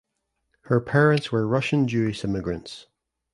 Her parents were Russian Jewish immigrants.